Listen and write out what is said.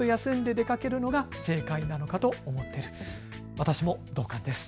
私も同感です。